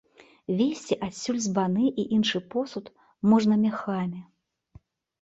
Везці адсюль збаны і іншы посуд можна мяхамі.